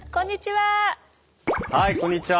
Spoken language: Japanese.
はいこんにちは。